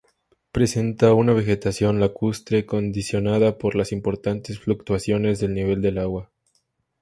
Presenta una vegetación lacustre condicionada por las importantes fluctuaciones del nivel del agua.